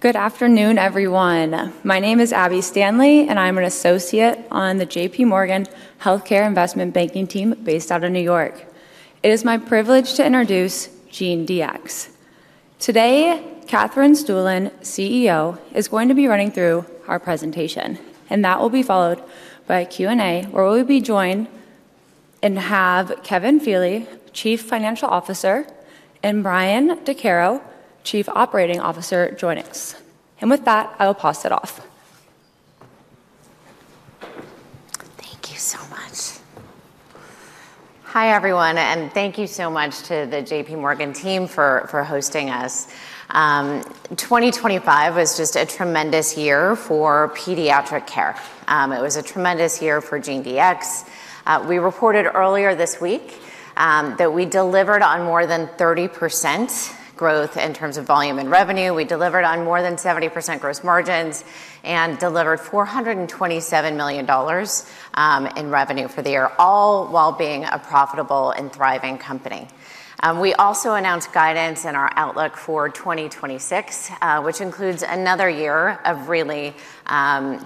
Good afternoon, everyone. My name is Abby Stanley, and I'm an associate on the J.P. Morgan Healthcare Investment Banking team based out of New York. It is my privilege to introduce GeneDx. Today, Katherine Stueland, CEO, is going to be running through our presentation, and that will be followed by a Q&A where we'll be joined and have Kevin Feeley, Chief Financial Officer, and Bryan Dechairo, Chief Operating Officer, join us, and with that, I will pass it off. Thank you so much. Hi, everyone, and thank you so much to the J.P. Morgan team for hosting us. 2025 was just a tremendous year for pediatric care. It was a tremendous year for GeneDx. We reported earlier this week that we delivered on more than 30% growth in terms of volume and revenue. We delivered on more than 70% gross margins and delivered $427 million in revenue for the year, all while being a profitable and thriving company. We also announced guidance in our outlook for 2026, which includes another year of really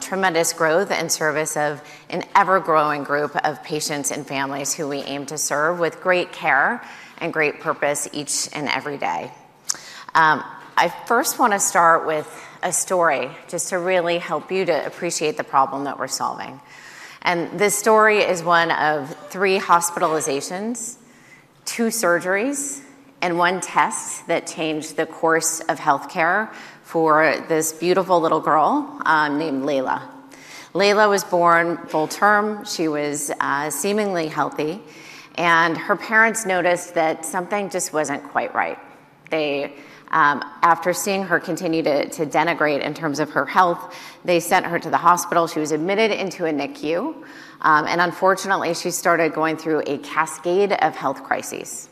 tremendous growth in service of an ever-growing group of patients and families who we aim to serve with great care and great purpose each and every day. I first want to start with a story just to really help you to appreciate the problem that we're solving. This story is one of three hospitalizations, two surgeries, and one test that changed the course of healthcare for this beautiful little girl named Layla. Layla was born full term. She was seemingly healthy, and her parents noticed that something just wasn't quite right. After seeing her continue to deteriorate in terms of her health, they sent her to the hospital. She was admitted into a NICU, and unfortunately, she started going through a cascade of health crises.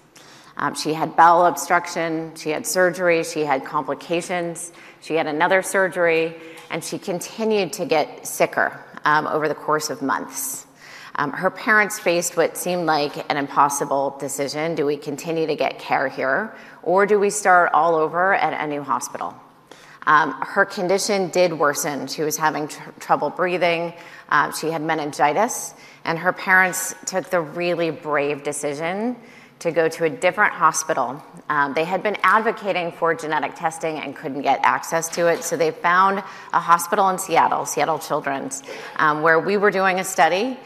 She had bowel obstruction. She had surgery. She had complications. She had another surgery, and she continued to get sicker over the course of months. Her parents faced what seemed like an impossible decision: do we continue to get care here, or do we start all over at a new hospital? Her condition did worsen. She was having trouble breathing. She had meningitis, and her parents took the really brave decision to go to a different hospital. They had been advocating for genetic testing and couldn't get access to it, so they found a hospital in Seattle, Seattle Children's, where we were doing a study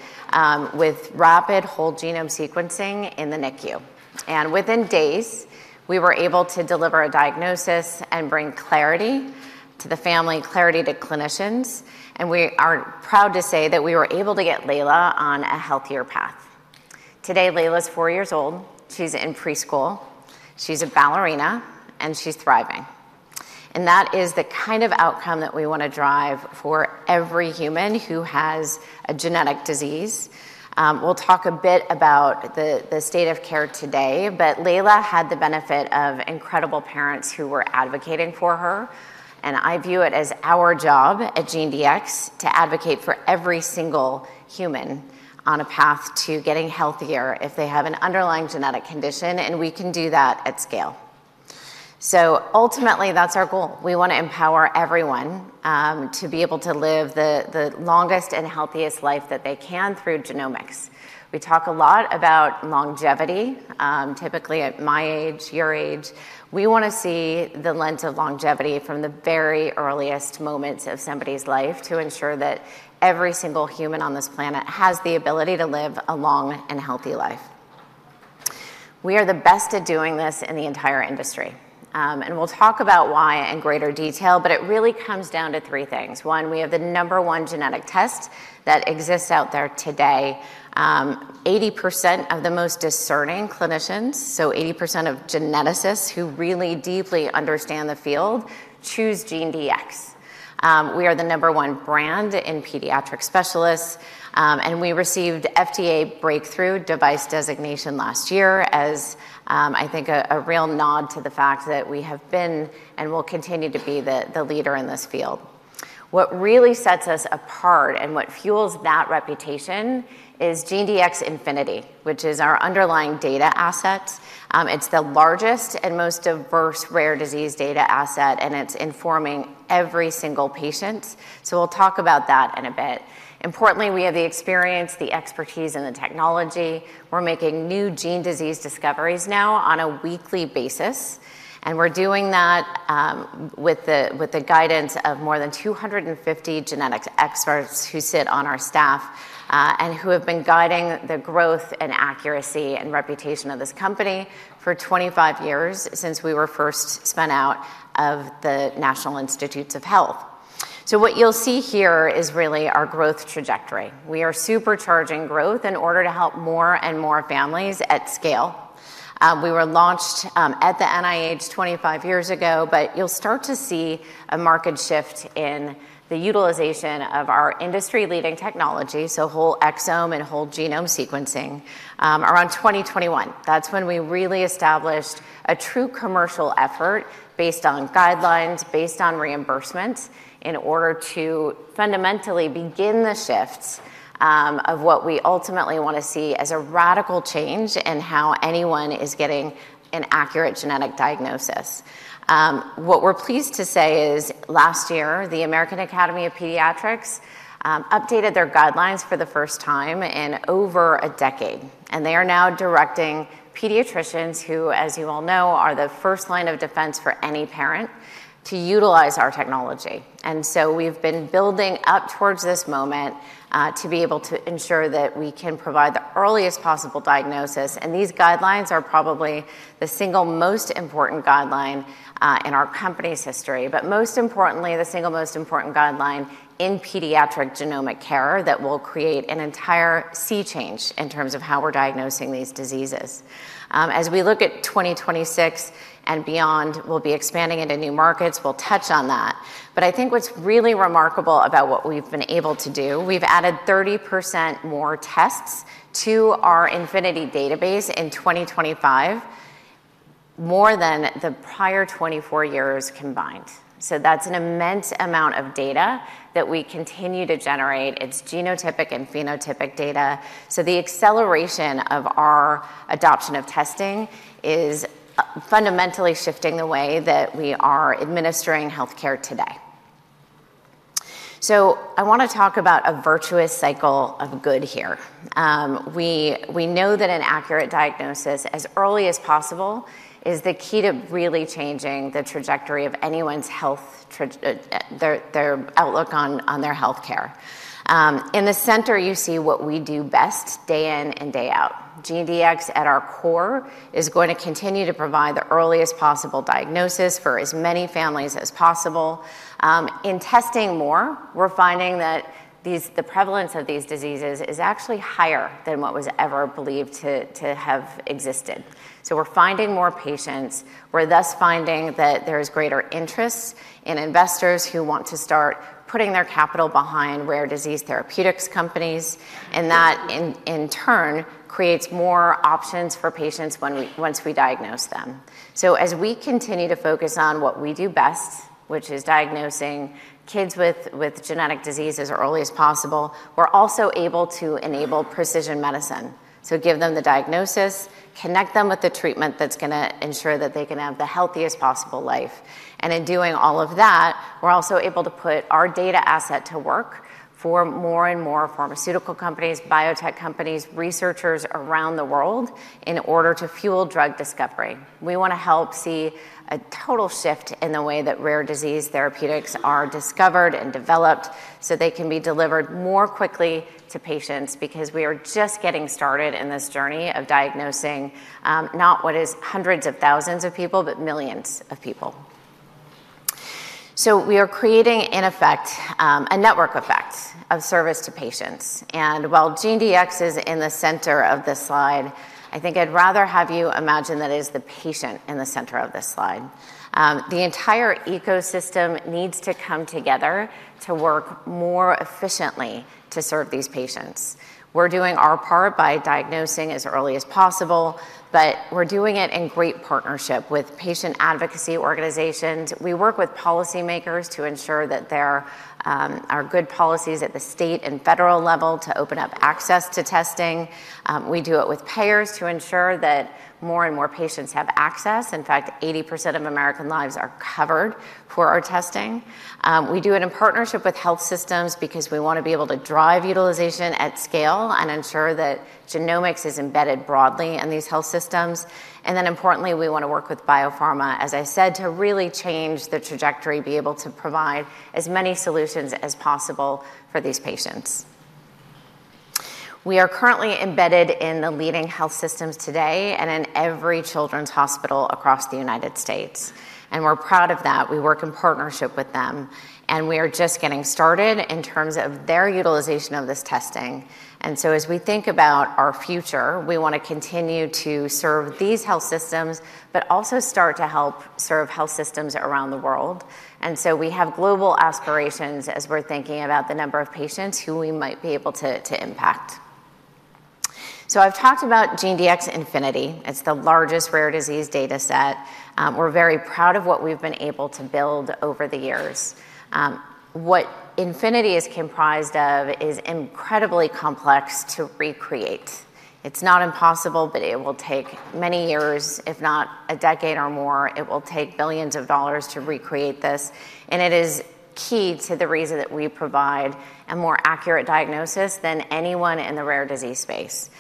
with rapid whole genome sequencing in the NICU, and within days, we were able to deliver a diagnosis and bring clarity to the family, clarity to clinicians, and we are proud to say that we were able to get Layla on a healthier path. Today, Layla is four years old. She's in preschool. She's a ballerina, and she's thriving, and that is the kind of outcome that we want to drive for every human who has a genetic disease. We'll talk a bit about the state of care today, but Layla had the benefit of incredible parents who were advocating for her, and I view it as our job at GeneDx to advocate for every single human on a path to getting healthier if they have an underlying genetic condition, and we can do that at scale. So ultimately, that's our goal. We want to empower everyone to be able to live the longest and healthiest life that they can through genomics. We talk a lot about longevity, typically at my age, your age. We want to see the lens of longevity from the very earliest moments of somebody's life to ensure that every single human on this planet has the ability to live a long and healthy life. We are the best at doing this in the entire industry, and we'll talk about why in greater detail, but it really comes down to three things. One, we have the number one genetic test that exists out there today. 80% of the most discerning clinicians, so 80% of geneticists who really deeply understand the field, choose GeneDx. We are the number one brand in pediatric specialists, and we received FDA breakthrough device designation last year as, I think, a real nod to the fact that we have been and will continue to be the leader in this field. What really sets us apart and what fuels that reputation is GeneDx Infinity, which is our underlying data asset. It's the largest and most diverse rare disease data asset, and it's informing every single patient, so we'll talk about that in a bit. Importantly, we have the experience, the expertise, and the technology. We're making new gene disease discoveries now on a weekly basis, and we're doing that with the guidance of more than 250 genetics experts who sit on our staff and who have been guiding the growth and accuracy and reputation of this company for 25 years since we were first spun out of the National Institutes of Health. So what you'll see here is really our growth trajectory. We are supercharging growth in order to help more and more families at scale. We were launched at the NIH 25 years ago, but you'll start to see a market shift in the utilization of our industry-leading technology, so whole exome and whole genome sequencing, around 2021. That's when we really established a true commercial effort based on guidelines, based on reimbursement, in order to fundamentally begin the shifts of what we ultimately want to see as a radical change in how anyone is getting an accurate genetic diagnosis. What we're pleased to say is last year, the American Academy of Pediatrics updated their guidelines for the first time in over a decade, and they are now directing pediatricians who, as you all know, are the first line of defense for any parent to utilize our technology. We’ve been building up towards this moment to be able to ensure that we can provide the earliest possible diagnosis, and these guidelines are probably the single most important guideline in our company’s history, but most importantly, the single most important guideline in pediatric genomic care that will create an entire sea change in terms of how we’re diagnosing these diseases. As we look at 2026 and beyond, we’ll be expanding into new markets. We’ll touch on that, but I think what’s really remarkable about what we’ve been able to do. We’ve added 30% more tests to our Infinity database in 2025, more than the prior 24 years combined. So that’s an immense amount of data that we continue to generate. It’s genotypic and phenotypic data, so the acceleration of our adoption of testing is fundamentally shifting the way that we are administering healthcare today. So I want to talk about a virtuous cycle of good here. We know that an accurate diagnosis as early as possible is the key to really changing the trajectory of anyone's health, their outlook on their healthcare. In the center, you see what we do best day in and day out. GeneDx, at our core, is going to continue to provide the earliest possible diagnosis for as many families as possible. In testing more, we're finding that the prevalence of these diseases is actually higher than what was ever believed to have existed. So we're finding more patients. We're thus finding that there is greater interest in investors who want to start putting their capital behind rare disease therapeutics companies, and that, in turn, creates more options for patients once we diagnose them. As we continue to focus on what we do best, which is diagnosing kids with genetic diseases as early as possible, we're also able to enable precision medicine. Give them the diagnosis, connect them with the treatment that's going to ensure that they can have the healthiest possible life. In doing all of that, we're also able to put our data asset to work for more and more pharmaceutical companies, biotech companies, researchers around the world in order to fuel drug discovery. We want to help see a total shift in the way that rare disease therapeutics are discovered and developed so they can be delivered more quickly to patients because we are just getting started in this journey of diagnosing not what is hundreds of thousands of people, but millions of people. We are creating, in effect, a network effect of service to patients. While GeneDx is in the center of this slide, I think I'd rather have you imagine that it is the patient in the center of this slide. The entire ecosystem needs to come together to work more efficiently to serve these patients. We're doing our part by diagnosing as early as possible, but we're doing it in great partnership with patient advocacy organizations. We work with policymakers to ensure that there are good policies at the state and federal level to open up access to testing. We do it with payers to ensure that more and more patients have access. In fact, 80% of American lives are covered for our testing. We do it in partnership with health systems because we want to be able to drive utilization at scale and ensure that genomics is embedded broadly in these health systems. And then importantly, we want to work with biopharma, as I said, to really change the trajectory, be able to provide as many solutions as possible for these patients. We are currently embedded in the leading health systems today and in every children's hospital across the United States, and we're proud of that. We work in partnership with them, and we are just getting started in terms of their utilization of this testing. And so as we think about our future, we want to continue to serve these health systems, but also start to help serve health systems around the world. And so we have global aspirations as we're thinking about the number of patients who we might be able to impact. So I've talked about GeneDx Infinity. It's the largest rare disease data set. We're very proud of what we've been able to build over the years. What Infinity is comprised of is incredibly complex to recreate. It's not impossible, but it will take many years, if not a decade or more. It will take $ billions to recreate this, and it is key to the reason that we provide a more accurate diagnosis than anyone in the rare disease space.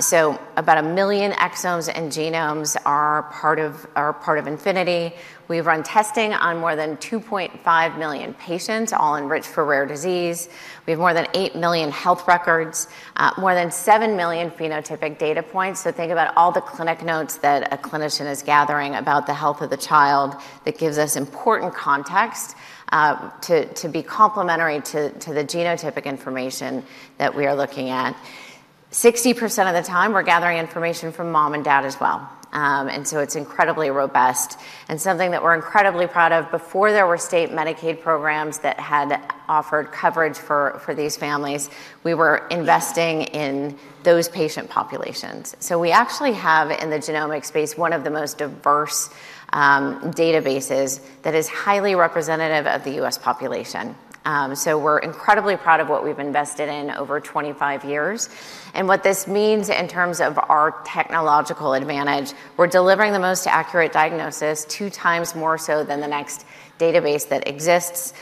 So about a million exomes and genomes are part of Infinity. We run testing on more than 2.5 million patients, all enriched for rare disease. We have more than 8 million health records, more than 7 million phenotypic data points. So think about all the clinic notes that a clinician is gathering about the health of the child. That gives us important context to be complementary to the genotypic information that we are looking at. 60% of the time, we're gathering information from mom and dad as well, and so it's incredibly robust and something that we're incredibly proud of. Before, there were state Medicaid programs that had offered coverage for these families. We were investing in those patient populations. So we actually have, in the genomic space, one of the most diverse databases that is highly representative of the U.S. population. So we're incredibly proud of what we've invested in over 25 years. And what this means in terms of our technological advantage, we're delivering the most accurate diagnosis, two times more so than the next database that exists.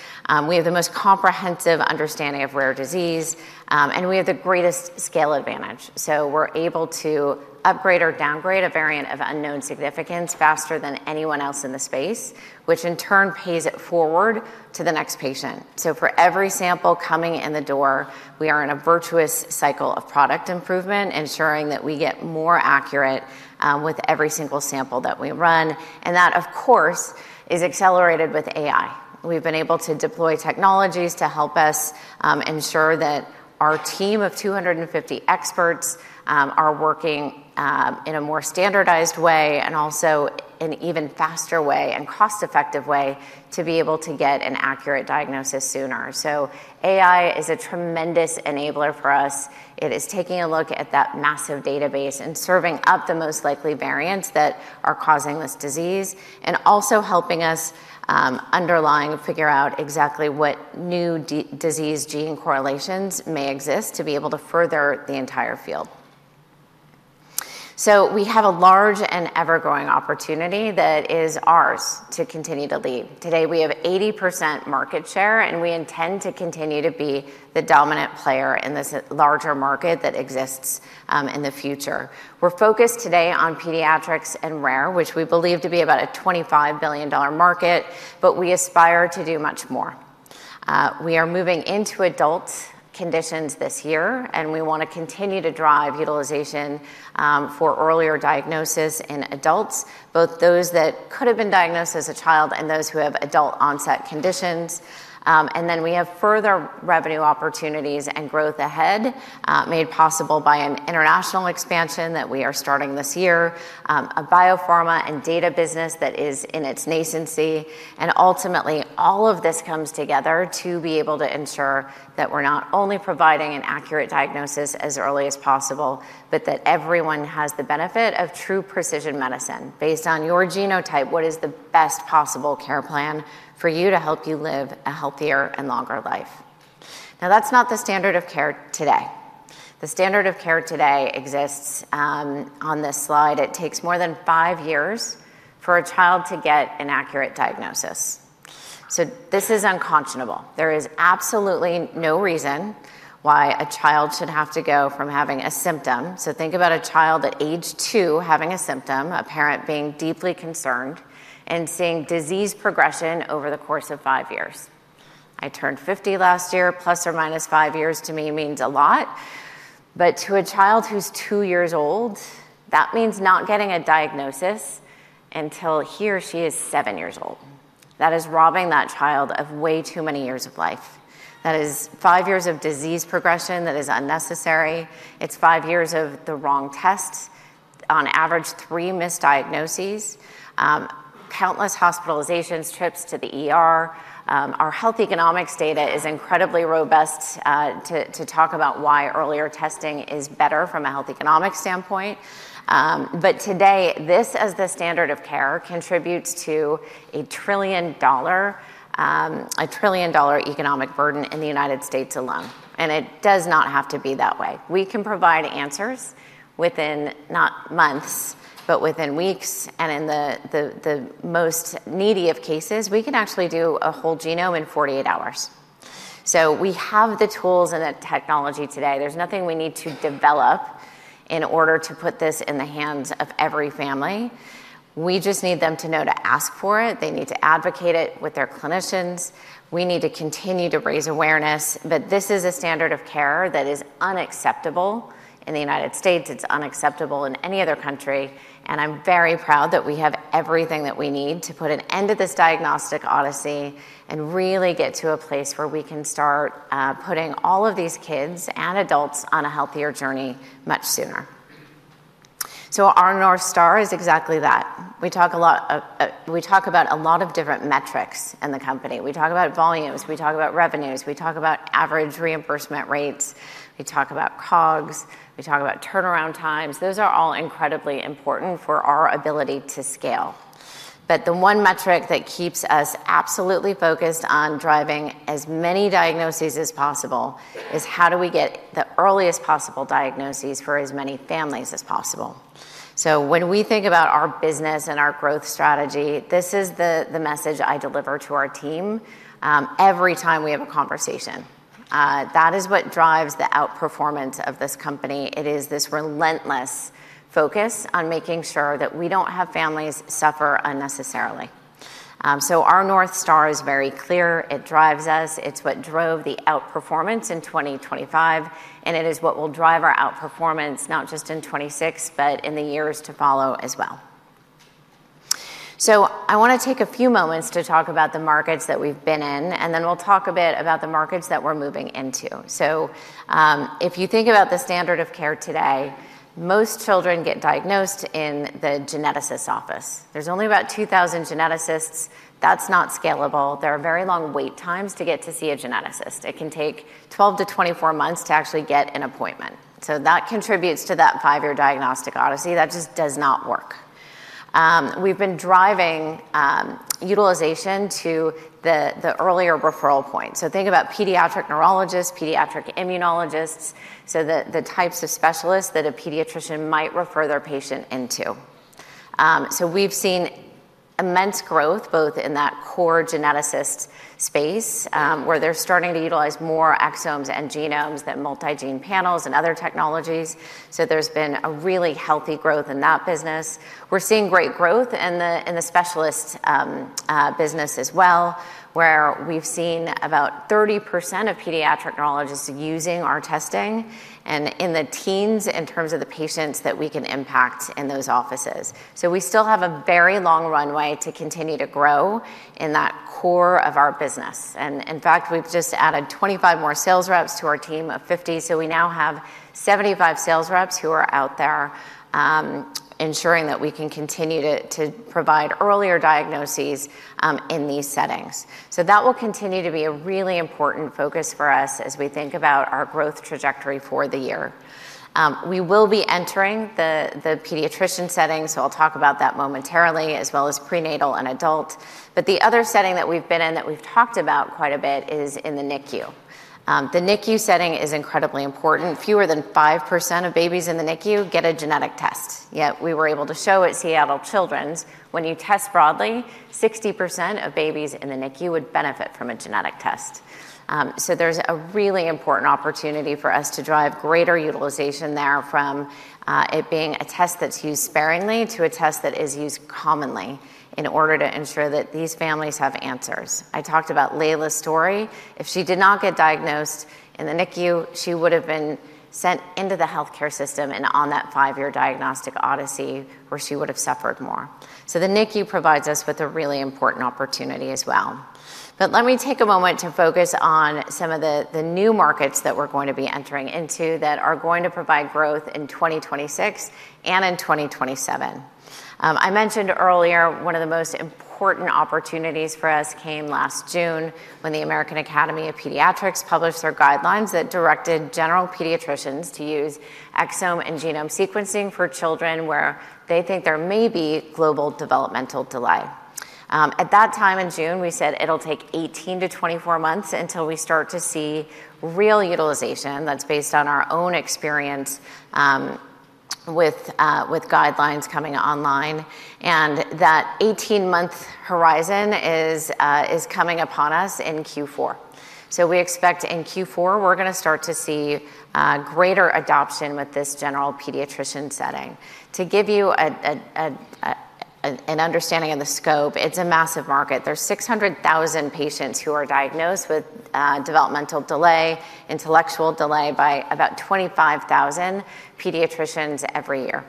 We have the most comprehensive understanding of rare disease, and we have the greatest scale advantage. So we're able to upgrade or downgrade a variant of unknown significance faster than anyone else in the space, which in turn pays it forward to the next patient. For every sample coming in the door, we are in a virtuous cycle of product improvement, ensuring that we get more accurate with every single sample that we run. And that, of course, is accelerated with AI. We've been able to deploy technologies to help us ensure that our team of 250 experts are working in a more standardized way and also an even faster way and cost-effective way to be able to get an accurate diagnosis sooner. So AI is a tremendous enabler for us. It is taking a look at that massive database and serving up the most likely variants that are causing this disease and also helping us to figure out exactly what new disease gene correlations may exist to be able to further the entire field. So we have a large and ever-growing opportunity that is ours to continue to lead. Today, we have 80% market share, and we intend to continue to be the dominant player in this larger market that exists in the future. We're focused today on pediatrics and rare, which we believe to be about a $25 billion market, but we aspire to do much more. We are moving into adult conditions this year, and we want to continue to drive utilization for earlier diagnosis in adults, both those that could have been diagnosed as a child and those who have adult-onset conditions, and then we have further revenue opportunities and growth ahead made possible by an international expansion that we are starting this year, a biopharma and data business that is in its nascency. Ultimately, all of this comes together to be able to ensure that we're not only providing an accurate diagnosis as early as possible, but that everyone has the benefit of true precision medicine. Based on your genotype, what is the best possible care plan for you to help you live a healthier and longer life? Now, that's not the standard of care today. The standard of care today exists on this slide. It takes more than five years for a child to get an accurate diagnosis. This is unconscionable. There is absolutely no reason why a child should have to go from having a symptom. Think about a child at age two having a symptom, a parent being deeply concerned and seeing disease progression over the course of five years. I turned 50 last year. Plus or minus five years to me means a lot, but to a child who's two years old, that means not getting a diagnosis until he or she is seven years old. That is robbing that child of way too many years of life. That is five years of disease progression that is unnecessary. It's five years of the wrong tests, on average three misdiagnoses, countless hospitalizations, trips to the ER. Our health economics data is incredibly robust to talk about why earlier testing is better from a health economics standpoint. But today, this, as the standard of care, contributes to a trillion-dollar economic burden in the United States alone, and it does not have to be that way. We can provide answers within not months, but within weeks, and in the most needy of cases, we can actually do a whole genome in 48 hours. So we have the tools and the technology today. There's nothing we need to develop in order to put this in the hands of every family. We just need them to know to ask for it. They need to advocate it with their clinicians. We need to continue to raise awareness, but this is a standard of care that is unacceptable in the United States. It's unacceptable in any other country, and I'm very proud that we have everything that we need to put an end to this diagnostic odyssey and really get to a place where we can start putting all of these kids and adults on a healthier journey much sooner. So our North Star is exactly that. We talk about a lot of different metrics in the company. We talk about volumes. We talk about revenues. We talk about average reimbursement rates. We talk about COGS. We talk about turnaround times. Those are all incredibly important for our ability to scale. But the one metric that keeps us absolutely focused on driving as many diagnoses as possible is how do we get the earliest possible diagnoses for as many families as possible. So when we think about our business and our growth strategy, this is the message I deliver to our team every time we have a conversation. That is what drives the outperformance of this company. It is this relentless focus on making sure that we don't have families suffer unnecessarily. So our North Star is very clear. It drives us. It's what drove the outperformance in 2025, and it is what will drive our outperformance not just in 2026, but in the years to follow as well. So I want to take a few moments to talk about the markets that we've been in, and then we'll talk a bit about the markets that we're moving into. So if you think about the standard of care today, most children get diagnosed in the geneticist's office. There's only about 2,000 geneticists. That's not scalable. There are very long wait times to get to see a geneticist. It can take 12-24 months to actually get an appointment. So that contributes to that five-year diagnostic odyssey. That just does not work. We've been driving utilization to the earlier referral point. So think about pediatric neurologists, pediatric immunologists, so the types of specialists that a pediatrician might refer their patient into. So we've seen immense growth both in that core geneticist space where they're starting to utilize more exomes and genomes than multi-gene panels and other technologies. So there's been a really healthy growth in that business. We're seeing great growth in the specialist business as well, where we've seen about 30% of pediatric neurologists using our testing and in the teens in terms of the patients that we can impact in those offices. So we still have a very long runway to continue to grow in that core of our business. And in fact, we've just added 25 more sales reps to our team of 50. So we now have 75 sales reps who are out there ensuring that we can continue to provide earlier diagnoses in these settings. So that will continue to be a really important focus for us as we think about our growth trajectory for the year. We will be entering the pediatrician setting, so I'll talk about that momentarily, as well as prenatal and adult. But the other setting that we've been in that we've talked about quite a bit is in the NICU. The NICU setting is incredibly important. Fewer than 5% of babies in the NICU get a genetic test. Yet we were able to show at Seattle Children's, when you test broadly, 60% of babies in the NICU would benefit from a genetic test. So there's a really important opportunity for us to drive greater utilization there from it being a test that's used sparingly to a test that is used commonly in order to ensure that these families have answers. I talked about Layla's story. If she did not get diagnosed in the NICU, she would have been sent into the healthcare system and on that five-year diagnostic odyssey where she would have suffered more. So the NICU provides us with a really important opportunity as well. But let me take a moment to focus on some of the new markets that we're going to be entering into that are going to provide growth in 2026 and in 2027. I mentioned earlier one of the most important opportunities for us came last June when the American Academy of Pediatrics published their guidelines that directed general pediatricians to use exome and genome sequencing for children where they think there may be global developmental delay. At that time in June, we said it'll take 18 to 24 months until we start to see real utilization that's based on our own experience with guidelines coming online, and that 18-month horizon is coming upon us in Q4. So we expect in Q4, we're going to start to see greater adoption with this general pediatrician setting. To give you an understanding of the scope, it's a massive market. There's 600,000 patients who are diagnosed with developmental delay, intellectual delay by about 25,000 pediatricians every year.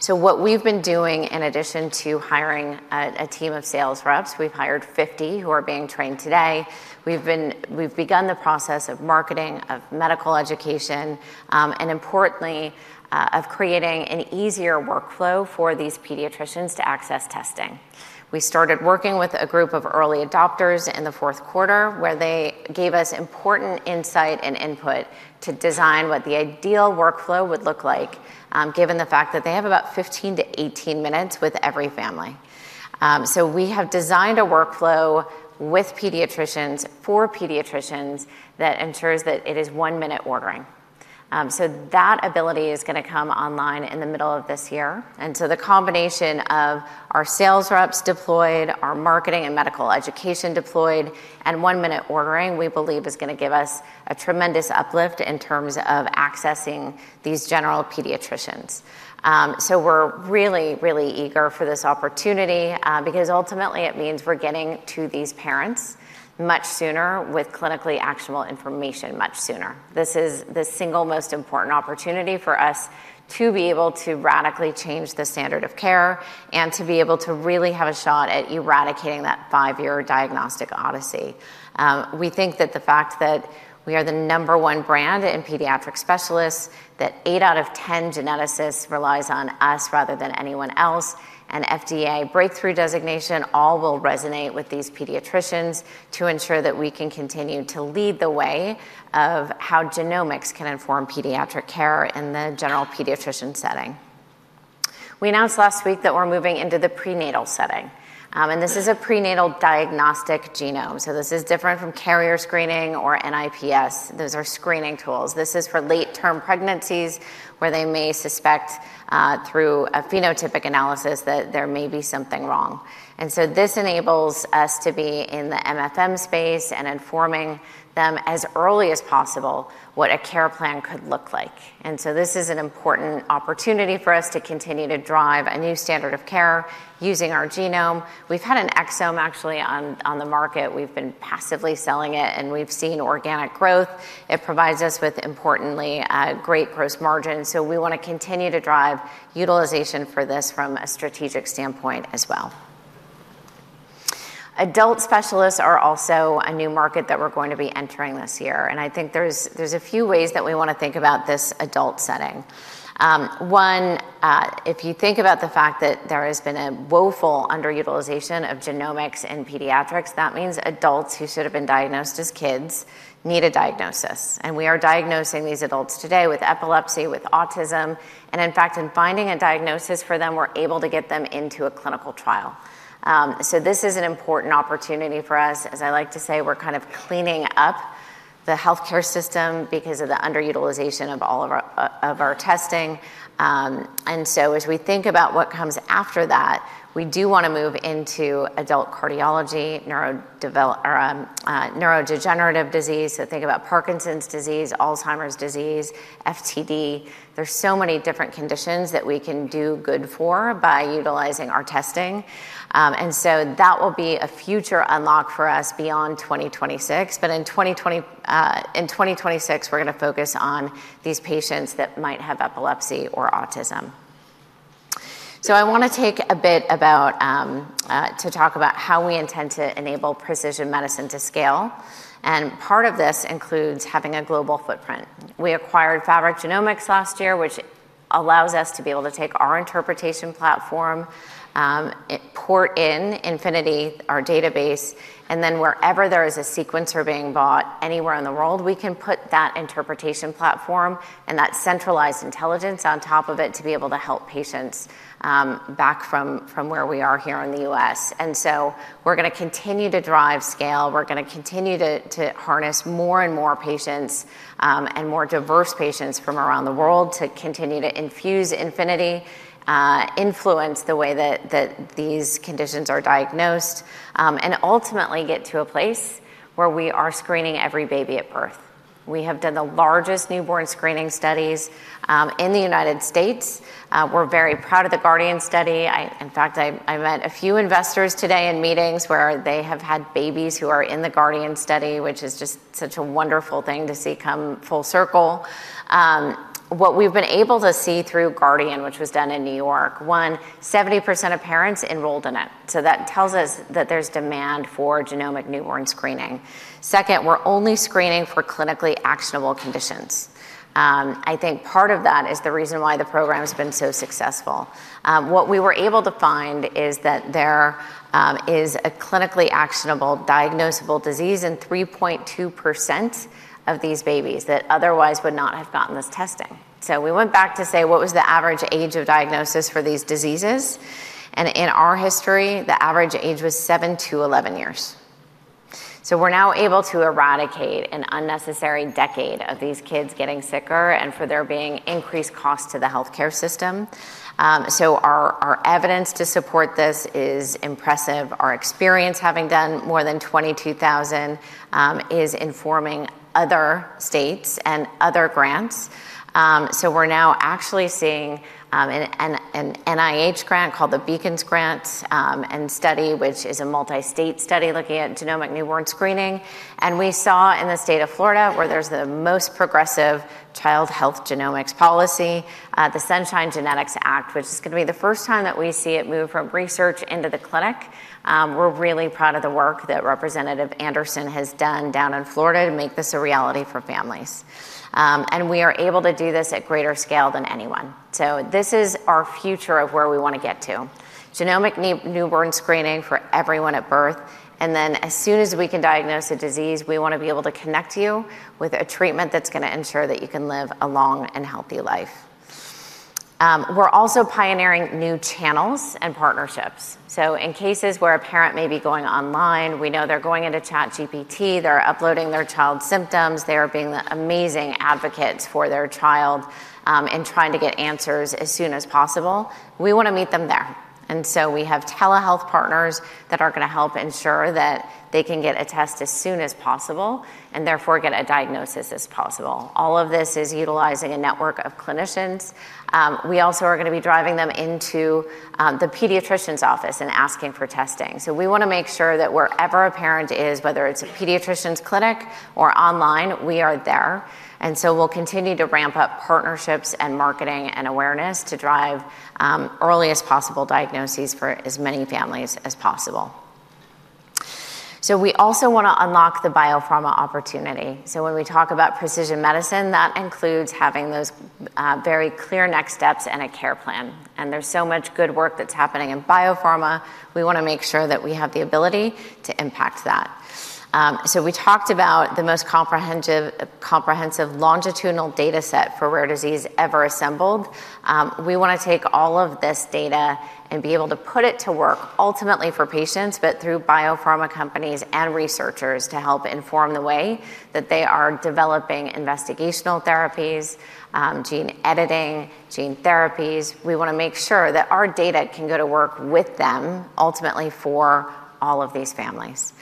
So what we've been doing, in addition to hiring a team of sales reps, we've hired 50 who are being trained today. We've begun the process of marketing, of medical education, and importantly, of creating an easier workflow for these pediatricians to access testing. We started working with a group of early adopters in the fourth quarter where they gave us important insight and input to design what the ideal workflow would look like, given the fact that they have about 15-18 minutes with every family. So we have designed a workflow with pediatricians for pediatricians that ensures that it is one-minute ordering. So that ability is going to come online in the middle of this year. And so the combination of our sales reps deployed, our marketing and medical education deployed, and one-minute ordering, we believe, is going to give us a tremendous uplift in terms of accessing these general pediatricians. So we're really, really eager for this opportunity because ultimately it means we're getting to these parents much sooner with clinically actionable information much sooner. This is the single most important opportunity for us to be able to radically change the standard of care and to be able to really have a shot at eradicating that five-year diagnostic odyssey. We think that the fact that we are the number one brand in pediatric specialists, that eight out of 10 geneticists relies on us rather than anyone else, and FDA breakthrough designation all will resonate with these pediatricians to ensure that we can continue to lead the way of how genomics can inform pediatric care in the general pediatrician setting. We announced last week that we're moving into the prenatal setting, and this is a prenatal diagnostic genome. So this is different from carrier screening or NIPS. Those are screening tools. This is for late-term pregnancies where they may suspect through a phenotypic analysis that there may be something wrong. And so this enables us to be in the MFM space and informing them as early as possible what a care plan could look like. And so this is an important opportunity for us to continue to drive a new standard of care using our genome. We've had an exome actually on the market. We've been passively selling it, and we've seen organic growth. It provides us with, importantly, great gross margins. So we want to continue to drive utilization for this from a strategic standpoint as well. Adult specialists are also a new market that we're going to be entering this year, and I think there's a few ways that we want to think about this adult setting. One, if you think about the fact that there has been a woeful underutilization of genomics in pediatrics, that means adults who should have been diagnosed as kids need a diagnosis. We are diagnosing these adults today with epilepsy, with autism, and in fact, in finding a diagnosis for them, we're able to get them into a clinical trial. This is an important opportunity for us. As I like to say, we're kind of cleaning up the healthcare system because of the underutilization of all of our testing. As we think about what comes after that, we do want to move into adult cardiology, neurodegenerative disease. Think about Parkinson's disease, Alzheimer's disease, FTD. There's so many different conditions that we can do good for by utilizing our testing. That will be a future unlock for us beyond 2026. In 2026, we're going to focus on these patients that might have epilepsy or autism. I want to take a bit to talk about how we intend to enable precision medicine to scale. Part of this includes having a global footprint. We acquired Fabric Genomics last year, which allows us to be able to take our interpretation platform, port in Infinity, our database, and then wherever there is a sequencer being bought anywhere in the world, we can put that interpretation platform and that centralized intelligence on top of it to be able to help patients back from where we are here in the U.S. We're going to continue to drive scale. We're going to continue to harness more and more patients and more diverse patients from around the world to continue to infuse Infinity, influence the way that these conditions are diagnosed, and ultimately get to a place where we are screening every baby at birth. We have done the largest newborn screening studies in the United States. We're very proud of the Guardian study. In fact, I met a few investors today in meetings where they have had babies who are in the Guardian study, which is just such a wonderful thing to see come full circle. What we've been able to see through Guardian, which was done in New York, one, 70% of parents enrolled in it. So that tells us that there's demand for genomic newborn screening. Second, we're only screening for clinically actionable conditions. I think part of that is the reason why the program has been so successful. What we were able to find is that there is a clinically actionable diagnosable disease in 3.2% of these babies that otherwise would not have gotten this testing. So we went back to say, what was the average age of diagnosis for these diseases? In our history, the average age was seven to 11 years. So we're now able to eradicate an unnecessary decade of these kids getting sicker and for there being increased costs to the healthcare system. So our evidence to support this is impressive. Our experience having done more than 22,000 is informing other states and other grants. So we're now actually seeing an NIH grant called the Beacons Grant and study, which is a multi-state study looking at genomic newborn screening. And we saw in the state of Florida where there's the most progressive child health genomics policy, the Sunshine Genetics Act, which is going to be the first time that we see it move from research into the clinic. We're really proud of the work that Representative Anderson has done down in Florida to make this a reality for families. And we are able to do this at greater scale than anyone. So this is our future of where we want to get to: genomic newborn screening for everyone at birth. And then as soon as we can diagnose a disease, we want to be able to connect you with a treatment that's going to ensure that you can live a long and healthy life. We're also pioneering new channels and partnerships. So in cases where a parent may be going online, we know they're going into ChatGPT, they're uploading their child's symptoms, they're being the amazing advocates for their child and trying to get answers as soon as possible. We want to meet them there. And so we have telehealth partners that are going to help ensure that they can get a test as soon as possible and therefore get a diagnosis as possible. All of this is utilizing a network of clinicians. We also are going to be driving them into the pediatrician's office and asking for testing. So we want to make sure that wherever a parent is, whether it's a pediatrician's clinic or online, we are there. And so we'll continue to ramp up partnerships and marketing and awareness to drive earliest possible diagnoses for as many families as possible. So we also want to unlock the biopharma opportunity. So when we talk about precision medicine, that includes having those very clear next steps and a care plan. And there's so much good work that's happening in biopharma. We want to make sure that we have the ability to impact that. So we talked about the most comprehensive longitudinal data set for rare disease ever assembled. We want to take all of this data and be able to put it to work ultimately for patients, but through biopharma companies and researchers to help inform the way that they are developing investigational therapies, gene editing, gene therapies. We want to make sure that our data can go to work with them ultimately for all of these families.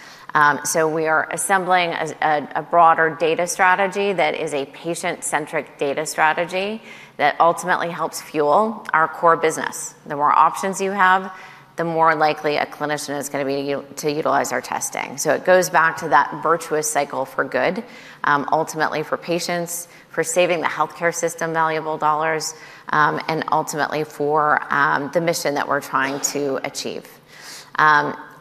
So we are assembling a broader data strategy that is a patient-centric data strategy that ultimately helps fuel our core business. The more options you have, the more likely a clinician is going to be to utilize our testing. So it goes back to that virtuous cycle for good, ultimately for patients, for saving the healthcare system valuable dollars, and ultimately for the mission that we're trying to achieve.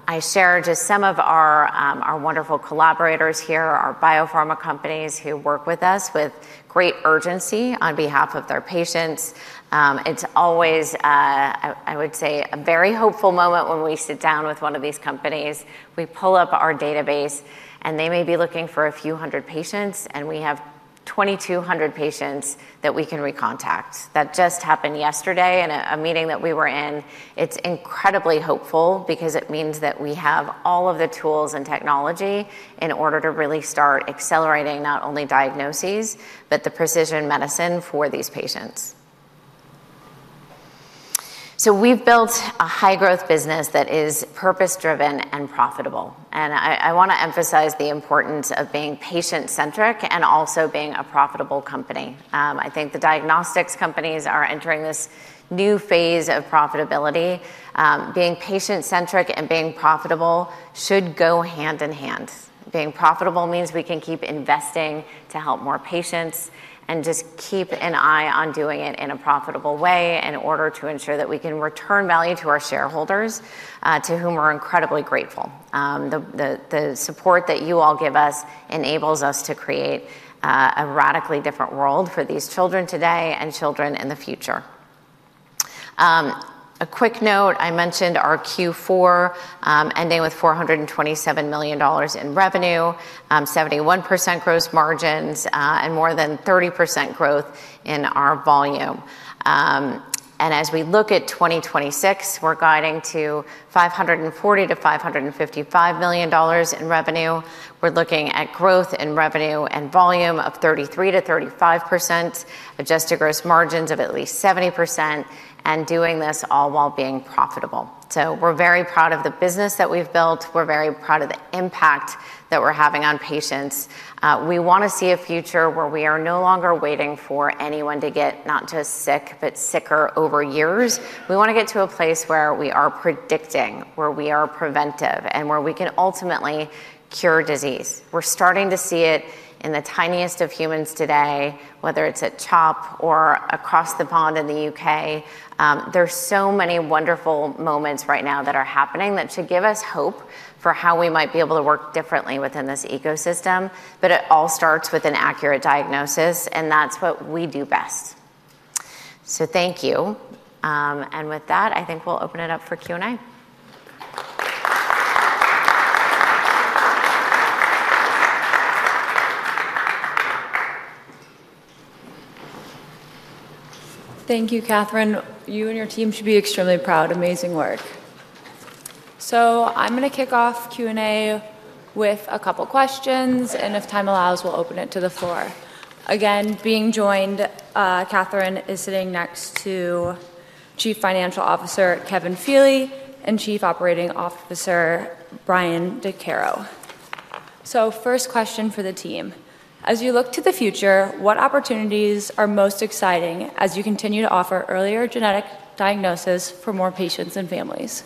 I share just some of our wonderful collaborators here, our biopharma companies who work with us with great urgency on behalf of their patients. It's always, I would say, a very hopeful moment when we sit down with one of these companies. We pull up our database, and they may be looking for a few hundred patients, and we have 2,200 patients that we can recontact. That just happened yesterday in a meeting that we were in. It's incredibly hopeful because it means that we have all of the tools and technology in order to really start accelerating not only diagnoses, but the precision medicine for these patients. So we've built a high-growth business that is purpose-driven and profitable. And I want to emphasize the importance of being patient-centric and also being a profitable company. I think the diagnostics companies are entering this new phase of profitability. Being patient-centric and being profitable should go hand in hand. Being profitable means we can keep investing to help more patients and just keep an eye on doing it in a profitable way in order to ensure that we can return value to our shareholders to whom we're incredibly grateful. The support that you all give us enables us to create a radically different world for these children today and children in the future. A quick note, I mentioned our Q4 ending with $427 million in revenue, 71% gross margins, and more than 30% growth in our volume. And as we look at 2026, we're guiding to $540-$555 million in revenue. We're looking at growth in revenue and volume of 33-35%, adjusted gross margins of at least 70%, and doing this all while being profitable. So we're very proud of the business that we've built. We're very proud of the impact that we're having on patients. We want to see a future where we are no longer waiting for anyone to get not just sick, but sicker over years. We want to get to a place where we are predicting, where we are preventive, and where we can ultimately cure disease. We're starting to see it in the tiniest of humans today, whether it's at CHOP or across the pond in the U.K. There's so many wonderful moments right now that are happening that should give us hope for how we might be able to work differently within this ecosystem. But it all starts with an accurate diagnosis, and that's what we do best. So thank you. And with that, I think we'll open it up for Q&A. Thank you, Katherine. You and your team should be extremely proud. Amazing work. So I'm going to kick off Q&A with a couple of questions, and if time allows, we'll open it to the floor. Again, being joined, Katherine is sitting next to Chief Financial Officer Kevin Feeley and Chief Operating Officer Bryan Dechairo. So first question for the team. As you look to the future, what opportunities are most exciting as you continue to offer earlier genetic diagnosis for more patients and families?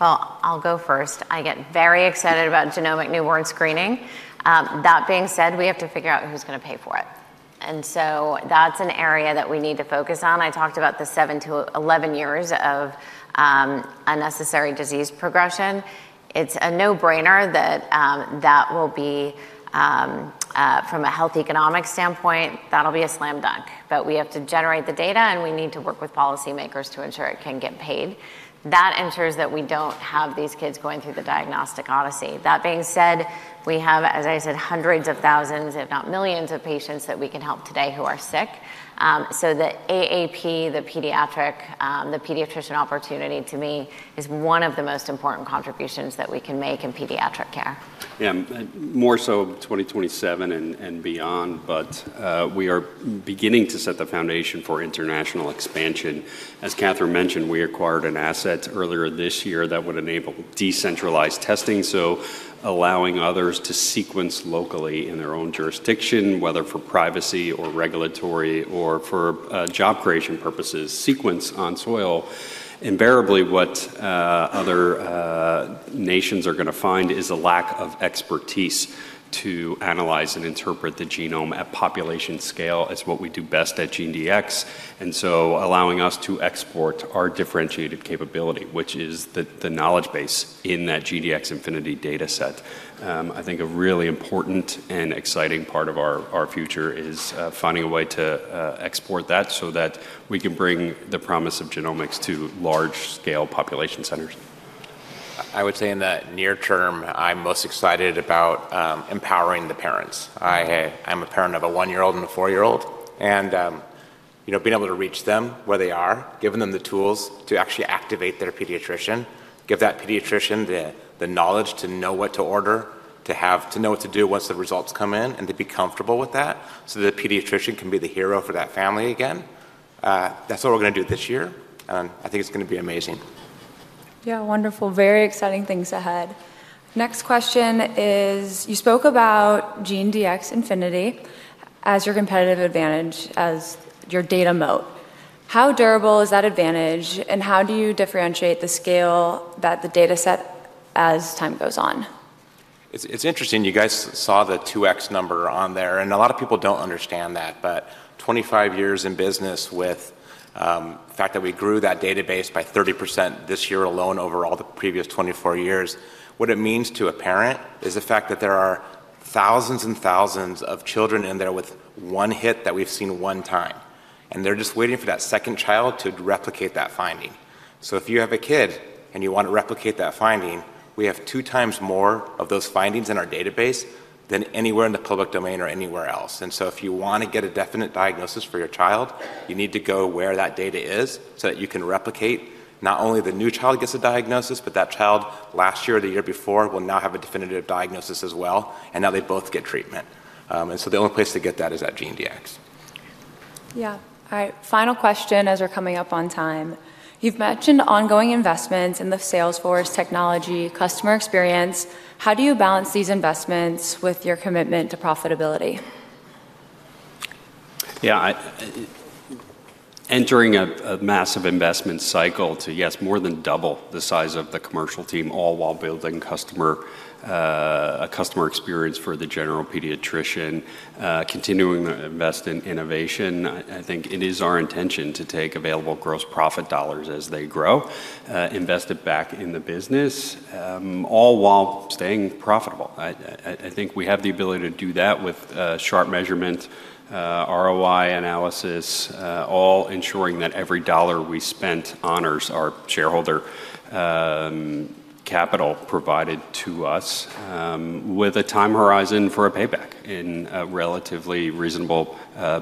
I'll go first. I get very excited about genomic newborn screening. That being said, we have to figure out who's going to pay for it. So that's an area that we need to focus on. I talked about the seven to 11 years of unnecessary disease progression. It's a no-brainer that that will be, from a health economics standpoint, that'll be a slam dunk. We have to generate the data, and we need to work with policymakers to ensure it can get paid. That ensures that we don't have these kids going through the diagnostic odyssey. That being said, we have, as I said, hundreds of thousands, if not millions of patients that we can help today who are sick. The AAP, the pediatric opportunity to me is one of the most important contributions that we can make in pediatric care. Yeah, more so 2027 and beyond, but we are beginning to set the foundation for international expansion. As Katherine mentioned, we acquired an asset earlier this year that would enable decentralized testing, so allowing others to sequence locally in their own jurisdiction, whether for privacy or regulatory or for job creation purposes, sequence on soil. Invariably, what other nations are going to find is a lack of expertise to analyze and interpret the genome at population scale is what we do best at GeneDx, and so allowing us to export our differentiated capability, which is the knowledge base in that GeneDx Infinity data set. I think a really important and exciting part of our future is finding a way to export that so that we can bring the promise of genomics to large-scale population centers. I would say in the near term, I'm most excited about empowering the parents. I'm a parent of a one-year-old and a four-year-old, and being able to reach them where they are, giving them the tools to actually activate their pediatrician, give that pediatrician the knowledge to know what to order, to know what to do once the results come in, and to be comfortable with that so that the pediatrician can be the hero for that family again. That's what we're going to do this year, and I think it's going to be amazing. Yeah, wonderful. Very exciting things ahead. Next question is, you spoke about GeneDx Infinity as your competitive advantage, as your data moat. How durable is that advantage, and how do you differentiate the scale that the data set as time goes on? It's interesting. You guys saw the 2X number on there, and a lot of people don't understand that, but 25 years in business with the fact that we grew that database by 30% this year alone over all the previous 24 years, what it means to a parent is the fact that there are thousands and thousands of children in there with one hit that we've seen one time, and they're just waiting for that second child to replicate that finding, so if you have a kid and you want to replicate that finding, we have two times more of those findings in our database than anywhere in the public domain or anywhere else. And so if you want to get a definite diagnosis for your child, you need to go where that data is so that you can replicate not only the new child gets a diagnosis, but that child last year or the year before will now have a definitive diagnosis as well. And now they both get treatment. And so the only place to get that is at GeneDx. Yeah. All right. Final question as we're coming up on time. You've mentioned ongoing investments in the sales force technology, customer experience. How do you balance these investments with your commitment to profitability? Yeah. Entering a massive investment cycle to, yes, more than double the size of the commercial team, all while building a customer experience for the general pediatrician, continuing to invest in innovation. I think it is our intention to take available gross profit dollars as they grow, invest it back in the business, all while staying profitable. I think we have the ability to do that with sharp measurement, ROI analysis, all ensuring that every dollar we spent honors our shareholder capital provided to us with a time horizon for a payback in a relatively reasonable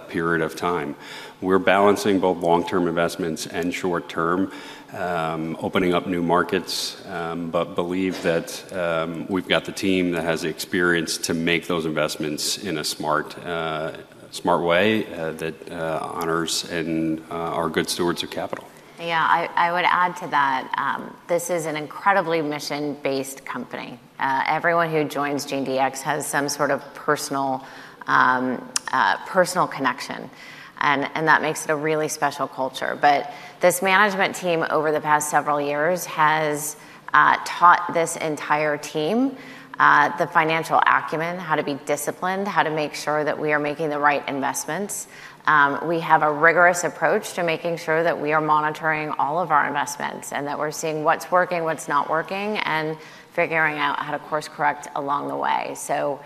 period of time. We're balancing both long-term investments and short-term, opening up new markets, but believe that we've got the team that has the experience to make those investments in a smart way that honors and are good stewards of capital. Yeah, I would add to that. This is an incredibly mission-based company. Everyone who joins GeneDx has some sort of personal connection. And that makes it a really special culture. But this management team over the past several years has taught this entire team the financial acumen, how to be disciplined, how to make sure that we are making the right investments. We have a rigorous approach to making sure that we are monitoring all of our investments and that we're seeing what's working, what's not working, and figuring out how to course-correct along the way. So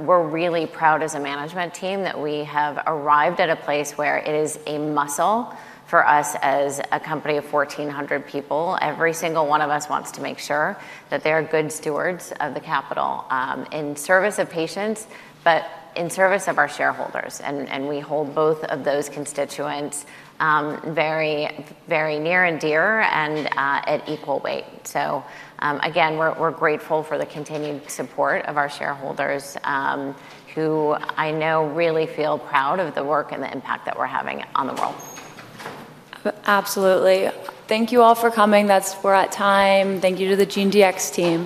we're really proud as a management team that we have arrived at a place where it is a muscle for us as a company of 1,400 people. Every single one of us wants to make sure that they are good stewards of the capital in service of patients, but in service of our shareholders, and we hold both of those constituents very, very near and dear and at equal weight, so again, we're grateful for the continued support of our shareholders who I know really feel proud of the work and the impact that we're having on the world. Absolutely. Thank you all for coming. We're at time. Thank you to the GeneDx team.